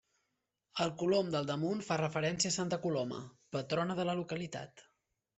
El colom del damunt fa referència a santa Coloma, patrona de la localitat.